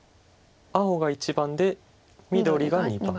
青が１番で緑が２番。